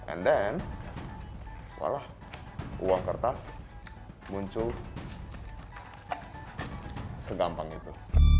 and then seolah uang kertas muncul segampang itu